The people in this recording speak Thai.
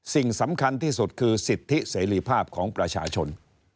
สิ่งสำคัญที่สุดคือสิทธิเสรีภาพของประชาชน